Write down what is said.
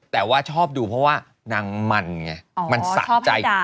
แต่ว่าชอบดูเพราะว่านางมันไงอ๋อมันสักใจอ๋อชอบให้ด่าอะไรแบบนี้